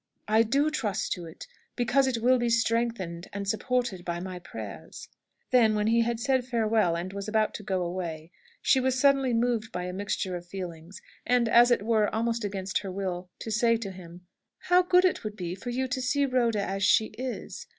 "I do trust to it, because it will be strengthened and supported by my prayers." Then, when he had said farewell, and was about to go away, she was suddenly moved by a mixture of feelings, and, as it were, almost against her will, to say to him, "How good it would be for you to see Rhoda as she is!